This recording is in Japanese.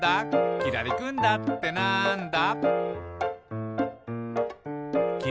「きらりくんだってなんだ？」